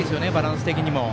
バランス的にも。